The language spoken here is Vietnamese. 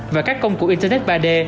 và các công cụ internet ba d